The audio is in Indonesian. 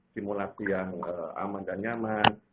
simulasi yang aman dan nyaman